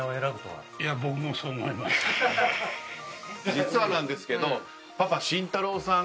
実はなんですけど。